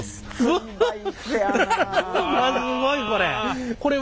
わっすごいこれ。